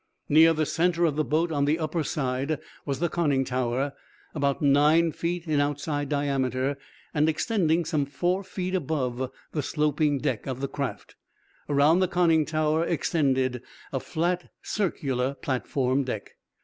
Near the center of the boat, on the upper side, was the conning tower, about nine feet in outside diameter, and extending some four feet above the sloping deck of the craft. Around the conning tower extended a flat, circular "platform" deck.